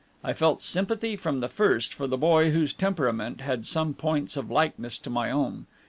I felt sympathy from the first for the boy whose temperament had some points of likeness to my own.